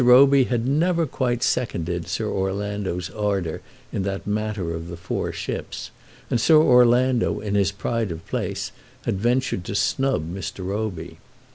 Roby had never quite seconded Sir Orlando's ardour in that matter of the four ships, and Sir Orlando in his pride of place had ventured to snub Mr. Roby.